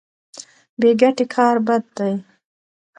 بې ګټې کار بد دی.